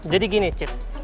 jadi gini cit